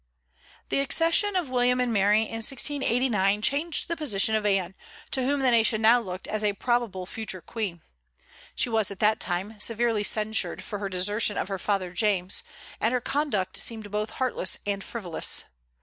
The accession of William and Mary in 1689 changed the position of Anne, to whom the nation now looked as a probable future queen. She was at that time severely censured for her desertion of her father James, and her conduct seemed both heartless and frivolous.